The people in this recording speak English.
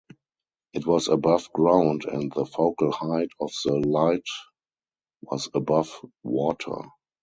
It was above ground and the focal height of the light was above water.